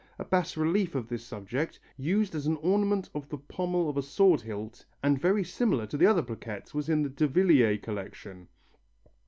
A bas relief of this subject, used as an ornament of the pommel of a sword hilt and very similar to the other plaquettes was in the Davillier collection.